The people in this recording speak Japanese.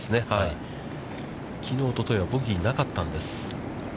きのう、おとといはボギーがなかったんです。